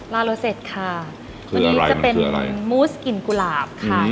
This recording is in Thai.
ลาโลเซตค่ะคืออะไรมันคืออะไรมุสกลิ่นกุหลาบค่ะอืม